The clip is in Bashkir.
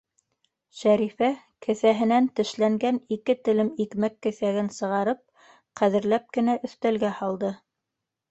Шәрифә кеҫәһенән тешләнгән ике телем икмәк киҫәген сығарып ҡәҙерләп кенә өҫтәлгә һалды.